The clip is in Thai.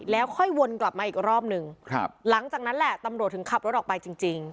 แล้วค่อยวนกลับมาอีกรอบหนึ่งครับหลังจากนั้นแหละตำรวจถึงขับรถออกไปจริง